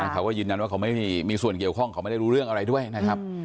เขาก็ยืนยันว่าเขาไม่มีส่วนเกี่ยวข้องเขาไม่ได้รู้เรื่องอะไรด้วยนะครับ